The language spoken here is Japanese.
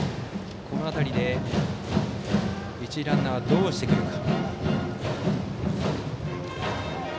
この辺りで一塁ランナーはどうしてくるか。